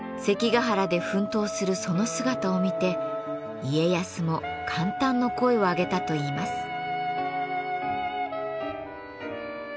関ヶ原で奮闘するその姿を見て家康も感嘆の声を上げたといいます。